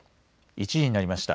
１時になりました。